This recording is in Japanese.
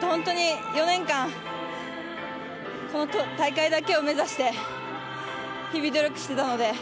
本当に４年間この大会だけを目指して日々、努力してきたので。